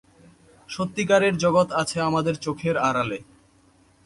সত্যিকার জগৎ আছে আমাদের চোখের আড়ালে!